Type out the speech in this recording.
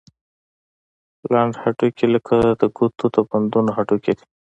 لنډ هډوکي لکه د ګوتو د بندونو هډوکي دي.